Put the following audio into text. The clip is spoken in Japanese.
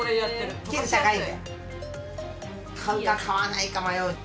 買うか買わないか迷う。